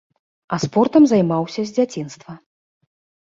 А спортам займаўся з дзяцінства.